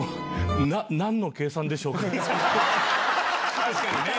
確かにね！